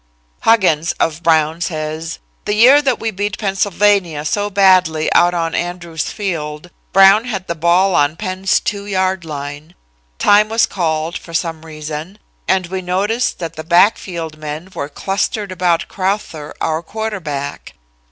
Huggins of Brown says: "The year that we beat Pennsylvania so badly out on Andrews Field, Brown had the ball on Penn's 2 yard line. Time was called for some reason, and we noticed that the backfield men were clustered about Crowther, our quarterback.